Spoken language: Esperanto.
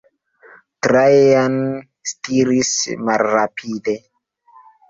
Trajan stiris malrapide.